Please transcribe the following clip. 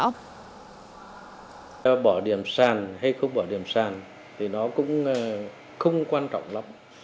theo bỏ điểm sàn hay không bỏ điểm sàn thì nó cũng không quan trọng lắm